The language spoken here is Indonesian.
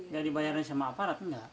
gak dibayarin sama aparat enggak